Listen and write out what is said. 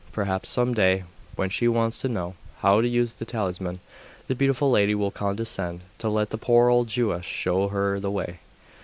perhaps some day, when she wants to know how to use the talisman, the beautiful lady will condescend to let the poor old Jewess show her the way.